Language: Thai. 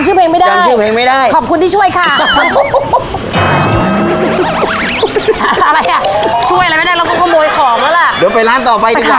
สวัสดีค่ะคุณป้าออกมานี่เลยครับ